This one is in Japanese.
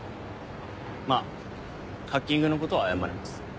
まぁハッキングのことは謝ります。